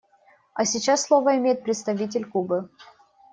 А сейчас слово имеет представитель Кубы.